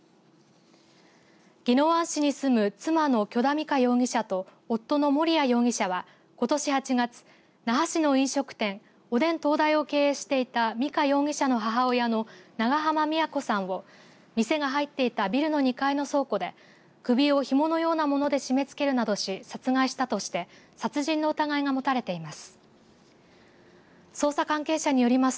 宜野湾市に住む妻の許田美香容疑者と夫のもりや容疑者はことし８月、那覇市の飲食店おでん東大を経営していた美香容疑者の母親の長濱美也子さんを２０００が入っていたビルの２階の倉庫で首をひものようなもので締めつけるなどして殺害したとして殺害の疑いが持たれています。